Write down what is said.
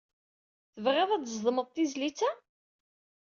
Tebɣiḍ ad d-tzedmeḍ tizlit-a?